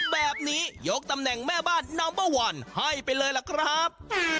แบบนี้ยกตำแหน่งแม่บ้านนัมเบอร์วันให้ไปเลยล่ะครับ